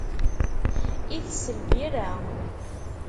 Itess lbirra.